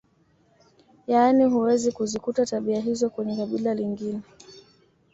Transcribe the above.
Yaani huwezi kuzikuta tabia hizo kwenye kabila lingine